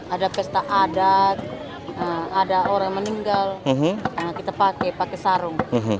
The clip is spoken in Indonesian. ada pesta adat ada orang meninggal kita pakai pakai sarung